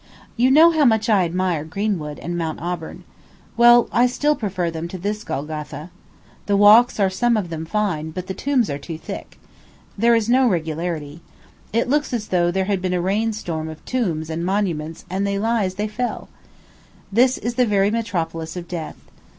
You know how much I admire Greenwood and Mount Auburn. Well, I still prefer them to this Golgotha. The walks are some of them fine, but the tombs are too thick. There is no regularity. It looks as though there had been a rain storm of tombs and monuments, and they lie as they fell. This is the very metropolis of death.